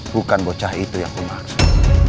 bukan bocah itu yang aku maksud